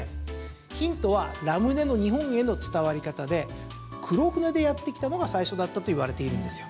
ヒントはラムネの日本への伝わり方で黒船でやってきたのが最初だったといわれているんですよ。